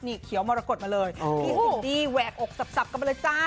นี่เขียวมรกฏมาเลยพี่ซินดี้แหวกอกสับกันไปเลยจ้า